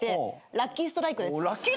ラッキーストライク！？